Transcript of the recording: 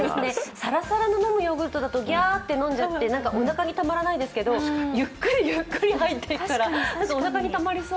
さらさらの飲むヨーグルトだとサーッと飲んじゃって、何かおなかにたまらないですけどゆっくりゆっくり入っていくから、おなかにたまりそう。